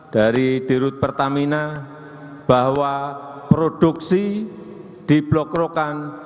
dari dirut pertamina bahwa produksi di blok rokan